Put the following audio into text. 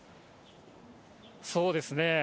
そうですね。